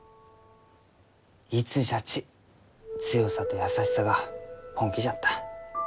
いつじゃち強さと優しさが本気じゃった。